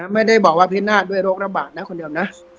ไม่ได้บอกว่าพินาศด้วยโรคระบาดนะคนเดียวนะ